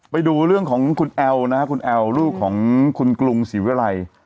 ไปดูเรื่องของคุณแอลนะครับคุณแอลลูกของคุณกรุงศรีวิรัย